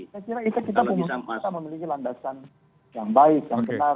saya kira itu kita memiliki landasan yang baik yang benar